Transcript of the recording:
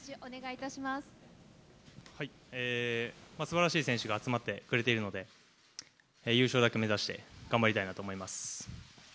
すばらしい選手が集まってくれているので、優勝だけ目指して、頑張りたいなと思います。